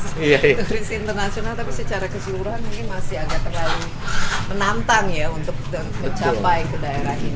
turis internasional tapi secara keseluruhan mungkin masih agak terlalu menantang ya untuk mencapai ke daerah ini